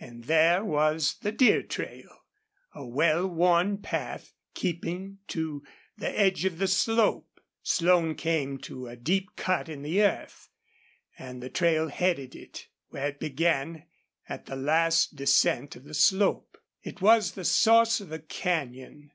And there was the deer trail, a well worn path keeping to the edge of the slope. Slone came to a deep cut in the earth, and the trail headed it, where it began at the last descent of the slope. It was the source of a canyon.